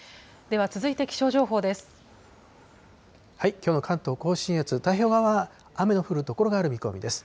きょうの関東甲信越、太平洋側、雨の降る所がある見込みです。